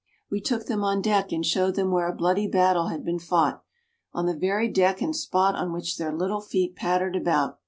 We took them on deck and showed them where a bloody battle had been fought on the very deck and spot on which their little feet pattered about.